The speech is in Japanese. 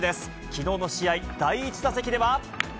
きのうの試合、第１打席では。